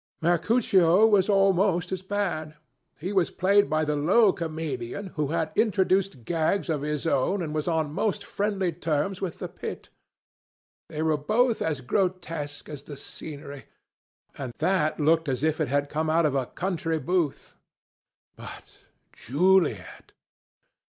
Mercutio was almost as bad. He was played by the low comedian, who had introduced gags of his own and was on most friendly terms with the pit. They were both as grotesque as the scenery, and that looked as if it had come out of a country booth. But Juliet!